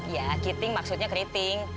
ya kiting maksudnya keriting